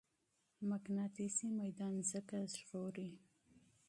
مقناطيسي ميدان ځمکه ژغوري.